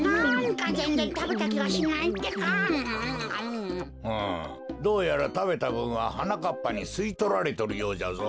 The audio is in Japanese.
うんどうやらたべたぶんははなかっぱにすいとられとるようじゃぞ。